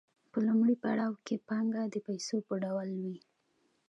په لومړي پړاو کې پانګه د پیسو په ډول وي